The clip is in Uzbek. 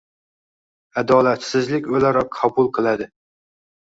adolatsizlik o‘laroq qabul qiladi.